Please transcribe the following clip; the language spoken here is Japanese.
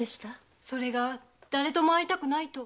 それが誰とも会いたくないと。